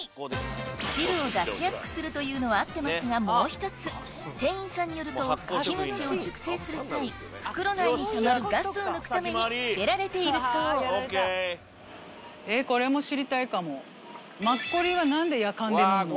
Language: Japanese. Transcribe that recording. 汁を出しやすくするというのは合ってますがもう１つ店員さんによるとキムチを熟成する際袋内にたまるガスを抜くためにつけられているそうそれこそ。